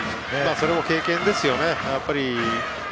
それも経験ですよね。